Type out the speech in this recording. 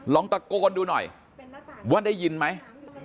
ลองตะโกนดูหน่อยว่าได้ยินไหม